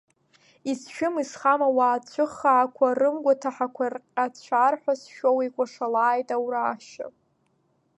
Изшәым-изхам ауаа цәыххаақәа рымгәа ҭаҳақәа рҟьацәар ҳәа сшәоу, икәашалааит Аураашьа.